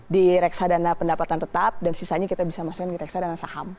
di reksadana pendapatan tetap dan sisanya kita bisa masukkan di reksadana saham